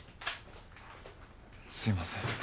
すいません。